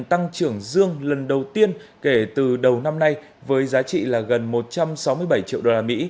tăng trưởng dương lần đầu tiên kể từ đầu năm nay với giá trị là gần một trăm sáu mươi bảy triệu usd